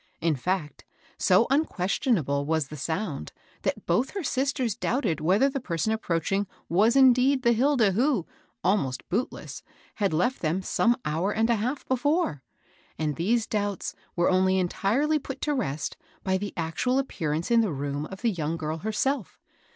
In &ct, so unquestionable was the sound, that both her sisters doubted whether the person aj^roaching was indeed the Hilda, who, almost bootless, had left them some hour and a half before ; and these doubts were only entirely put to rest by the actual appearance in the room of the young girl herself.